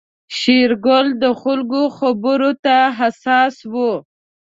شېرګل د خلکو خبرو ته حساس و.